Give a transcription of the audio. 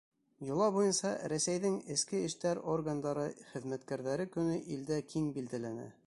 Йола буйынса, Рәсәйҙең эске эштәр органдары хеҙмәткәрҙәре көнө илдә киң билдәләнә.